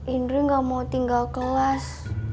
indri gak mau tinggal kelas